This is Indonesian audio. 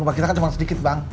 obat kita kan cuma sedikit bang